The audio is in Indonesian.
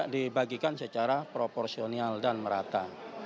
dibagikan secara proporsional dan merata